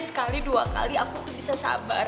sekali dua kali aku tuh bisa sabar